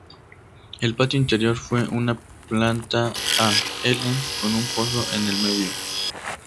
El patio interior tiene una planta a "L" con un pozo en el medio.